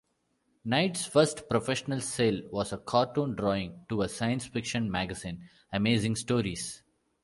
Knight's first professional sale was a cartoon drawing to a science-fiction magazine, "Amazing Stories".